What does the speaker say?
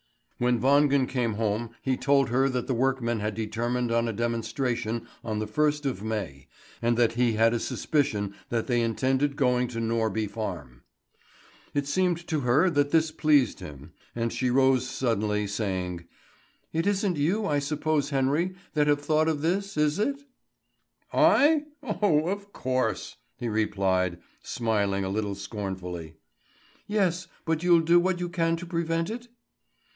When Wangen came home he told her that the workmen had determined on a demonstration on the first of May, and that he had a suspicion that they intended going to Norby Farm. It seemed to her that this pleased him, and she rose suddenly, saying: "It isn't you, I suppose, Henry, that have thought of this, is it?" "I? Oh, of course!" he replied, smiling a little scornfully. "Yes, but you'll do what you can to prevent it?"